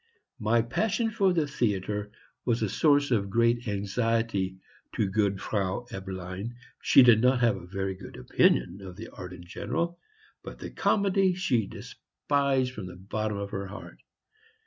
My passion for the theatre was a source of great anxiety to good Frau Eberlein. She did not have a very good opinion of the art in general, but the comedy she despised from the bottom of her heart.